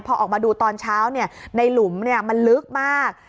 พอออกมาดูตอนเช้าในหลุมมันลึกมาก